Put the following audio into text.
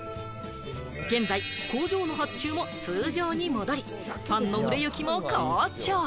現在、工場の発注も通常に戻り、パンの売れ行きも好調。